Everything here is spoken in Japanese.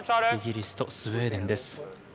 イギリスとスウェーデンです。